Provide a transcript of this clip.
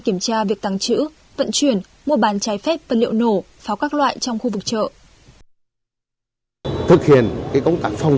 kiểm tra việc tăng chữ vận chuyển mua bán cháy phép vật liệu nổ pháo các loại trong khu vực chợ